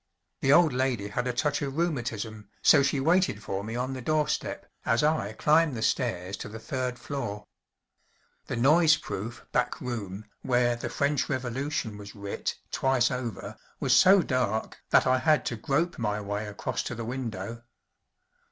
The old lady had a touch of rheumatism, so she waited for me on the doorstep as I climbed the stairs to the third floor. The noise proof back room where "The French Revolution" was writ, twice over, was so dark that I had to grope my way across to the window.